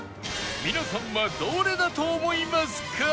皆さんはどれだと思いますか？